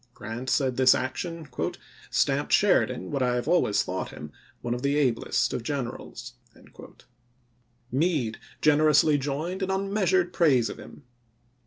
Grant said this action " stamped Sheri dan, what I have always thought him, one of the ablest of generals." Meade generously joined in unmeasured praise of him.